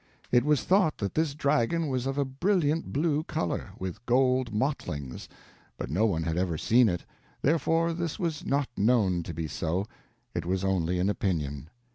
It was thought that this dragon was of a brilliant blue color, with gold mottlings, but no one had ever seen it, therefore this was not known to be so, it was only an opinion.